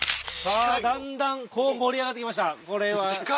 だんだん盛り上がってきました。